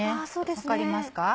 分かりますか？